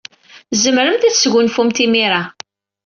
Tzemremt ad tesgunfumt imir-a.